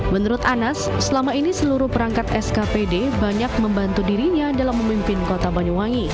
menurut anas selama ini seluruh perangkat skpd banyak membantu dirinya dalam memimpin kota banyuwangi